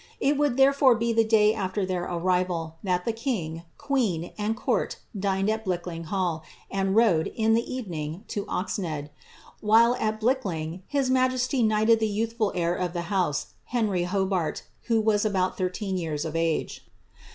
It would therefore be the day after their arrival, that king, queen, and court dined at Blickling hall,' and rode, in the even* to Oznead. While at Blickling, his majesty knighted the youthful of the house, Henry Hobart, who was about thirteen years of age.